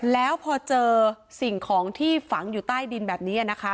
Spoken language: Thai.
แล้วพอเจอสิ่งของที่ฝังอยู่ใต้ดินแบบนี้นะคะ